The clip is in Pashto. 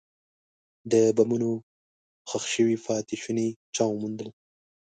د بمونو ښخ شوي پاتې شوني چا وموندل.